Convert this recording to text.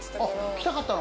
来たかったの？